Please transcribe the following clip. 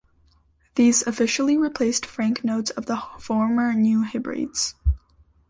These officially replaced franc notes of the former New Hebrides.